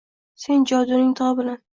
Sen joduning tig’i bilan